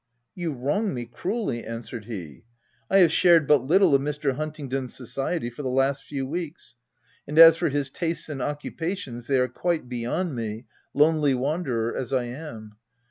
''" You wrong me cruelly/' answered he :" I have shared but little of , Mr. Huntingdon's society, for the last few weeks ; and as for his tastes and occupations, they are quite beyond me — lonely wanderer as I am.